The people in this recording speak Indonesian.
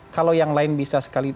kalau yang lain bisa sekali